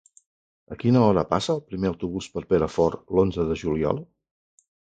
A quina hora passa el primer autobús per Perafort l'onze de juliol?